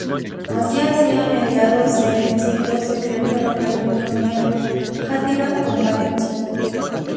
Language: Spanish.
Así Hacia mediados de siglo se crea el ferrocarril que unía Játiva con Valencia.